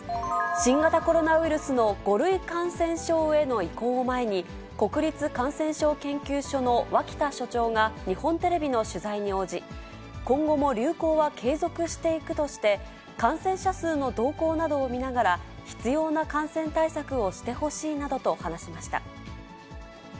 新型コロナウイルスの５類感染症への移行を前に、国立感染症研究所の脇田所長が日本テレビの取材に応じ、今後も流行は継続していくとして、感染者数の動向などを見ながら、必要な感染対策をしてほしいなどと話しました。